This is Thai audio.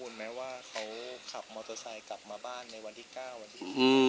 เขาขับมอเตอร์ไซค์กลับมาบ้านในวันที่๙น